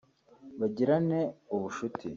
bagirane ubucuti